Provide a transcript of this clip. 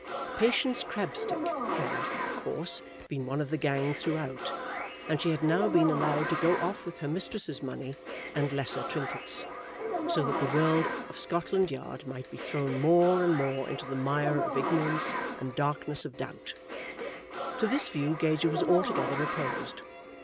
Patience Crabstick had, of course, been one of the gang throughout, and she had now been allowed to go off with her mistress's money and lesser trinkets, so that the world of Scotland Yard might be thrown more and more into the mire of ignorance and darkness of doubt. To this view Gager was altogether opposed.